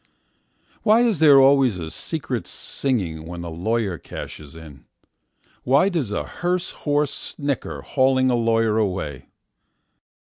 Why is there always a secret singingWhen a lawyer cashes in? Why does a hearse horse snickerHauling a lawyer away?